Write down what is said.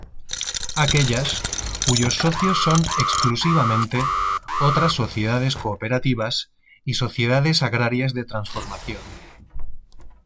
Aquellas cuyos socios son exclusivamente otras sociedades cooperativas y Sociedades Agrarias de Transformación.